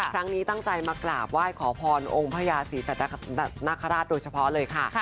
ครั้งนี้ตั้งใจมากราบไหว้ขอพรองค์พญาศรีนคราชโดยเฉพาะเลยค่ะ